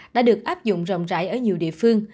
đã được áp dụng rộng rãi ở nhiều địa phương